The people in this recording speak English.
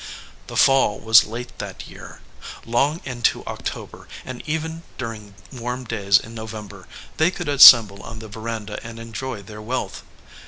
The fall was late that year. Long into October, and even during warm days in November, they could assemble on the veranda and enjoy their wealth.